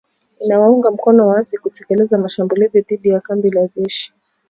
Inawaunga mkono waasi kutekeleza mashambulizi dhidi ya kambi za jeshi